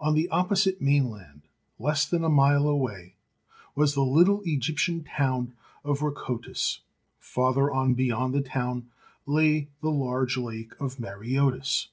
On the opposite mainland, less than a mile away, was the little Egyptian town of Rakotis; farther on beyond the town lay the large lake of Mariotis.